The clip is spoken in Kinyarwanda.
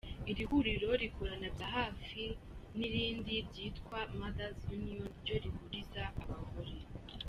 Iri huriro rikorana bya hafi n’irindi ryitwa Mother’s Union ryo rihuza abagore.